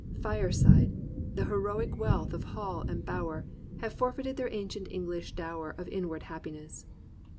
Fireside, the heroic wealth of hall and bower. Have forfeited their ancient English dower Of inward happiness.